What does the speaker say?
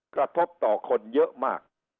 กระทบต่อคนเยอะมาก